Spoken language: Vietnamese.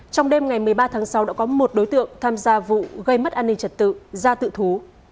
trong đêm ngày một mươi ba tháng sáu đã có một đối tượng tham gia vụ gây mất an ninh trật tự ra tự thú